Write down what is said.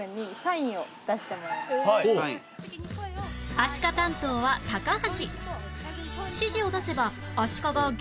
アシカ担当は高橋